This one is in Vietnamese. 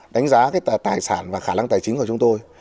đánh giá cái tài sản và khả năng tài chính của chúng tôi